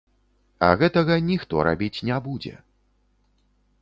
А гэтага ніхто рабіць не будзе.